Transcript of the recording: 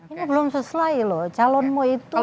ini belum sesuai loh